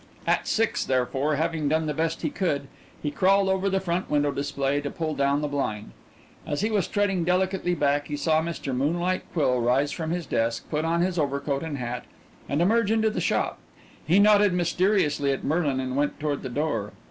At six, therefore, having done the best he could, he crawled over the front window display to pull down the blind. As he was treading delicately back, he saw Mr. Moonlight Quill rise from his desk, put on his overcoat and hat, and emerge into the shop. He nodded mysteriously at Merlin and went toward the door.